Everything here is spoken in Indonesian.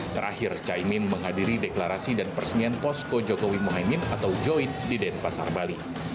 terakhir caimin menghadiri deklarasi dan persemian posko jokowi muhaimin atau joid di denpasar bali